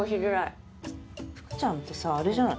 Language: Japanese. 福ちゃんってさあれじゃない？